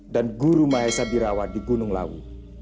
dan guru maesha birawa di gunung lawu